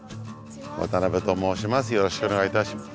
渡辺と申します。